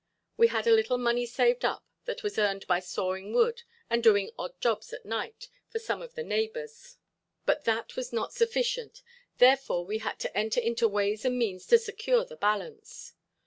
We had a little money saved up that was earned by sawing wood and doing odd jobs at night for some of the neighbors, but that was not sufficient, therefore we had to enter into ways and means to secure the balance.